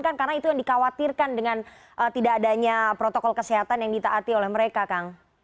karena itu yang dikhawatirkan karena ada protokol kesehatan yang dihati oleh mereka